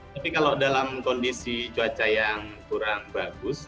tapi kalau dalam kondisi cuaca yang kurang bagus